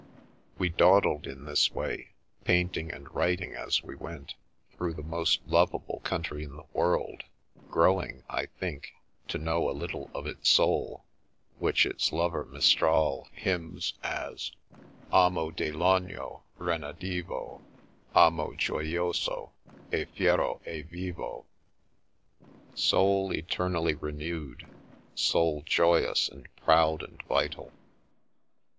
We dawdled in this way, painting and writing as we went, through the most lovable country in the world, growing, I think, to know a little of its soul, which its lover Mistral hymns as:— "Amo de longo renadivo Amo jouiouso e fi^ro e vivo—" Soul eternally renewed, soul joyous and proud and vital.